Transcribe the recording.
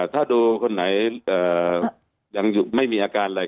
ถ้าดูคนไหนยังไม่มีอาการอะไร